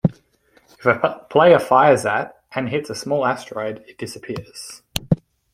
If a player fires at and hits a small asteroid, it disappears.